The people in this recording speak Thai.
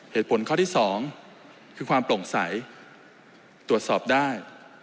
เหตุผลข้อที่๒คือความโปร่งใสตรวจสอบได้